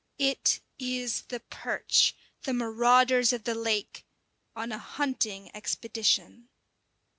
It is the perch, the marauders of the lake, on a hunting expedition!